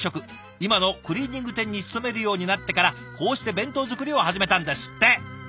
今のクリーニング店に勤めるようになってからこうして弁当作りを始めたんですって。